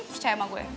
percaya sama gue